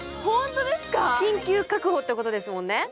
緊急確保ってことですもんね。